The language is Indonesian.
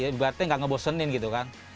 ibaratnya nggak ngebosenin gitu kan